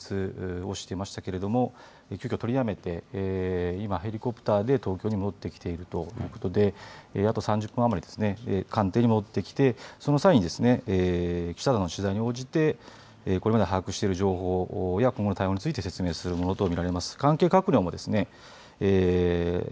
そして岸田総理大臣は山形で演説をしていましたけれども急きょ、取りやめて今ヘリコプターで東京に戻ってきているということであと３０分余りで官邸に戻ってきてその際に記者団の取材に応じてこれまで把握している情報や今後の対応について説明するものと見られます。